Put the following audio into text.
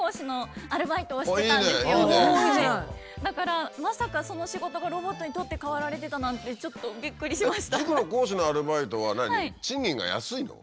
だからまさかその仕事がロボットに取って代わられてたなんてちょっとびっくりしました。